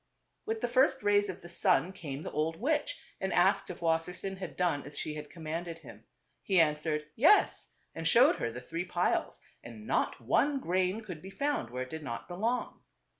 With the first rays of the sun came the old witch and asked if Wassersein had done as she had commanded him. He answered "Yes," and showed her the three piles ; and not one grain could be found where it did not belong.